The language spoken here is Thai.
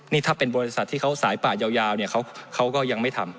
นี่ถ้าเป็นบริษัทที่เขาสายป่ายาวเนี่ยเขาก็ยังไม่ทำ